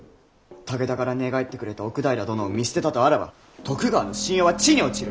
武田から寝返ってくれた奥平殿を見捨てたとあらば徳川の信用は地に落ちる！